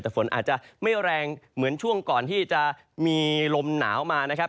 แต่ฝนอาจจะไม่แรงเหมือนช่วงก่อนที่จะมีลมหนาวมานะครับ